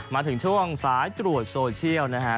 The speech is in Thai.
มาถึงช่วงสายตรวจโซเชียลนะฮะ